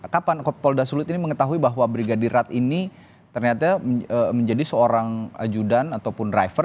kapan polda sulut ini mengetahui bahwa brigadir rat ini ternyata menjadi seorang ajudan ataupun driver